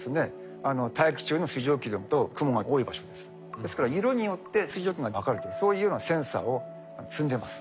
ですから色によって水蒸気が分かるというそういうようなセンサーを積んでます。